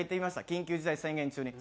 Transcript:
緊急事態宣言中に。